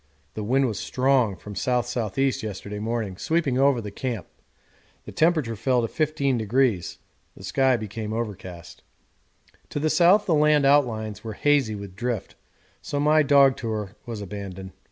The wind was strong from the S.S.E. yesterday morning, sweeping over the camp; the temperature fell to 15°, the sky became overcast. To the south the land outlines were hazy with drift, so my dog tour was abandoned.